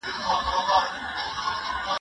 که پوهه وي نو هوساینه وي.